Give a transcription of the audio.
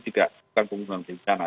tidak menggunakan bencana